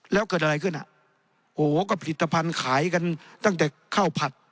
แล้วเกิดอะไรขึ้นอ่ะโหก็ผลิตภัณฑ์ขายกันตั้งแต่ข้าวผัด